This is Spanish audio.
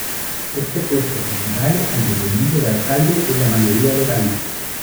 Este puesto equivale al de teniente de alcalde en la mayoría de países.